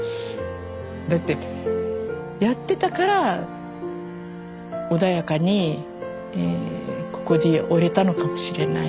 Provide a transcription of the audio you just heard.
だってやってたから穏やかにここにおれたのかもしれない。